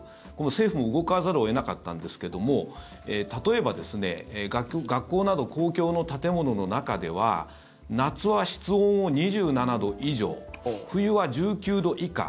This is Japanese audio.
政府も動かざるを得なかったんですけども例えば、学校など公共の建物の中では夏は室温を２７度以上冬は１９度以下。